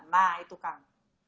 nah itu kang